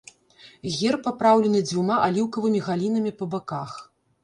Герб апраўлены дзвюма аліўкавымі галінамі па баках.